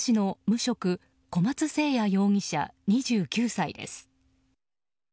無職小松誠哉容疑者、２９歳です。